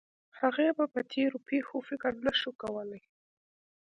هغې به په تېرو پېښو فکر نه شو کولی